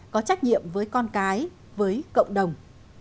có trách nhiệm với con cái với cộng đồng